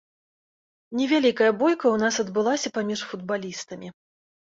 Невялікая бойка ў нас адбылася паміж футбалістамі.